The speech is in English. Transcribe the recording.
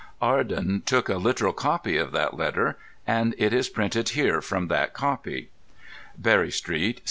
Arden took a literal copy of that letter; and it is printed here from that copy: "BERRY STREET, ST.